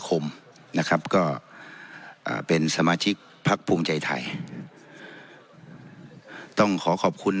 คมนะครับก็เป็นสมาชิกพักภูมิใจไทยต้องขอขอบคุณ